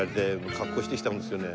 格好してきたんですけどね。